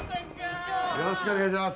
よろしくお願いします。